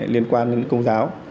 liên quan đến công giáo